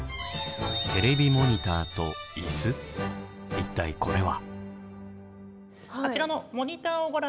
一体これは？